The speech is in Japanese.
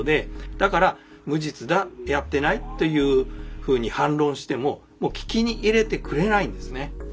だから無実だやってないというふうに反論してももう聞き入れてくれないんですね。